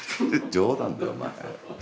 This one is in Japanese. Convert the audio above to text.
冗談だよお前。